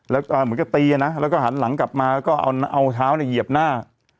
แล้วก็เหมือนกับตีนะแล้วก็หันหลังกลับมาก็เอาเท้าเนี่ยเหยียบหน้า